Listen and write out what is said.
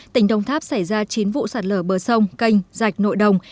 tỉnh đồng tháp xảy ra chín vụ sạt lở bờ sông canh rạch nội đồng